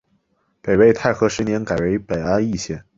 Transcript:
北魏太和十一年改为北安邑县。